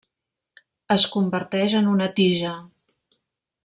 Es converteix en una tija.